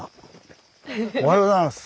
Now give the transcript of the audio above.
おはようございます。